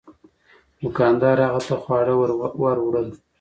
دوکاندار هغه ته خواړه ور وړل.